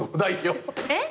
えっ？